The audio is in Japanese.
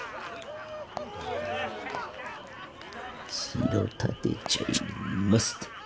城建てちゃいますと。